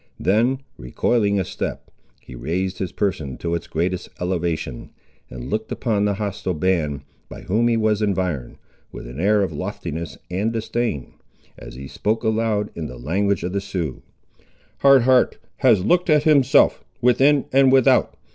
Then recoiling a step, he raised his person to its greatest elevation, and looked upon the hostile band, by whom he was environed, with an air of loftiness and disdain, as he spoke aloud, in the language of the Siouxes— "Hard Heart has looked at himself, within and without.